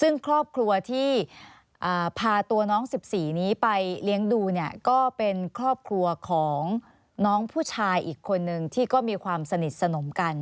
ซึ่งครอบครัวที่พาตัวน้อง๑๔นี้ไปเลี้ยงดูเนี่ยก็เป็นครอบครัวของน้องผู้ชายอีกคนนึงที่ก็มีความสนิทสนมกัน